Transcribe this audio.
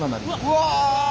うわ！